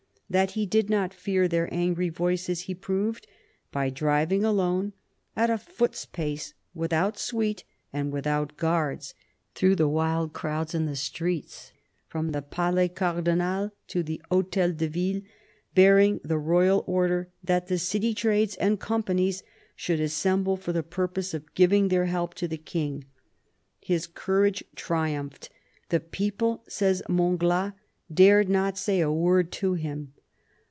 That he did not fear their angry voices he proved by driving alone, "at a foot's pace, without suite and without guards," through the wild crowds in the streets, from the Palais Cardinal to the Hetel de Ville, bearing the royal order that the city trades and companies should assemble for the purpose of giving their help to the King. His courage triumphed. The people, says Montglat, "dared not say a word to him."